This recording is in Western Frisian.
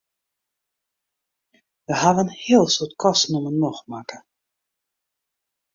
Wy hawwe in heel soad kosten om 'e nocht makke.